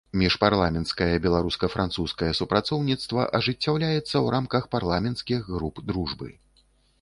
Міжпарламенцкае беларуска-французскае супрацоўніцтва ажыццяўляецца ў рамках парламенцкіх груп дружбы.